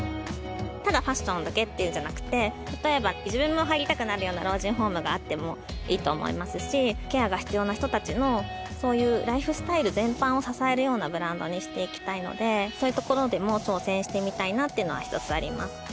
ただファッションだけっていうんじゃなくてたとえば自分も入りたくなるような老人ホームがあってもいいと思いますしケアが必要な人達のそういうライフスタイル全般を支えるようなブランドにしていきたいのでそういうところでも挑戦してみたいなっていうのは一つあります